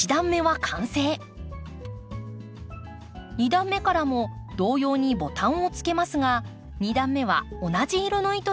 ２段目からも同様にボタンをつけますが２段目は同じ色の糸で編み込みます。